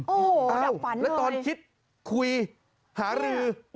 โอ้โหตอนดับฝันแล้วตอนคิดคุยหารือ